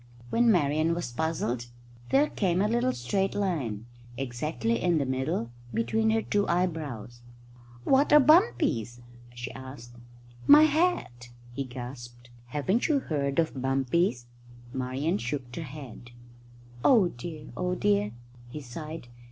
When Marian was puzzled there came a little straight line, exactly in the middle, between her two eyebrows. "What are bumpies?" she said. "My hat!" he gasped. "Haven't you ever heard of bumpies?" Marian shook her head. "Oh dear, oh dear!" he sighed.